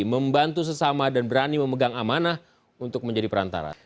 membantu sesama dan berani memegang amanah untuk menjadi perantara